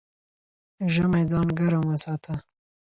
ژمی ځان ګرم وساته